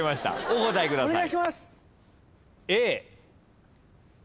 お答えください。